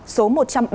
số một trăm linh tầng